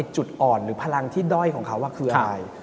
จุดอ่อนหรือพลังที่ด้อยของเขาคืออะไร